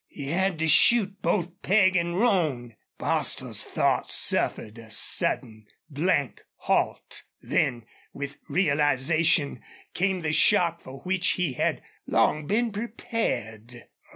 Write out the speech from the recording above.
He had to shoot both Peg an' Roan!" Bostil's thought suffered a sudden, blank halt. Then, with realization, came the shock for which he had long been prepared.